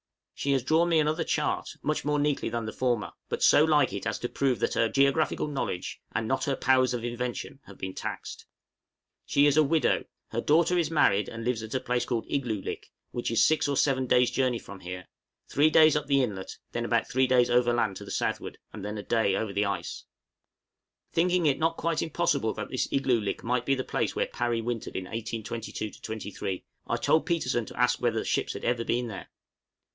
She has drawn me another chart, much more neatly than the former, but so like it as to prove that her geographical knowledge, and not her powers of invention, have been taxed. She is a widow; her daughter is married, and lives at a place called Igloolik, which is six or seven days' journey from here, three days up the inlet, then about three days overland to the southward, and then a day over the ice. {ESQUIMAUX INFORMATION.} Thinking it not quite impossible that this Igloolik might be the place where Parry wintered in 1822 3, I told Petersen to ask whether ships had ever been there?